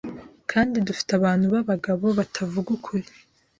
kandi dufite abantu b’abagabo batavuga ukuri